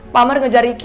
pak amar ngejar igd pak